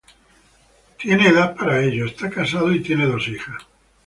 Tiene de edad, está casado y tiene dos hijas.